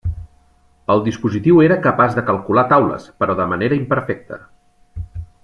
El dispositiu era capaç de calcular taules, però de manera imperfecta.